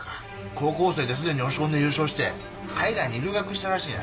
高校生ですでに押コンで優勝して海外に留学したらしいな。